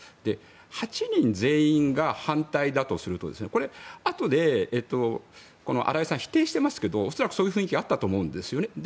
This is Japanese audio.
８人全員が反対だとするとあとで荒井さん否定していますが恐らくそういう雰囲気があったと思うんですよね。